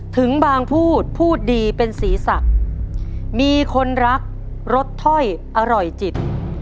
ถึงบางพูดพูดดีเป็นศีรษะมีคนรักรสถ้อยอร่อยจิต